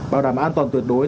bảo đảm an toàn tuyệt đối